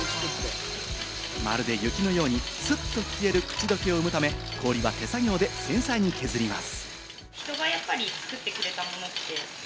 まるで雪のように、すっと消える口どけを生むため氷は手作業で繊細に削ります。